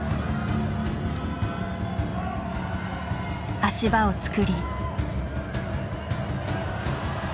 足場を作り。